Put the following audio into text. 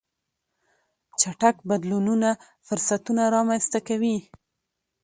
چټک بدلونونه فرصتونه رامنځته کوي.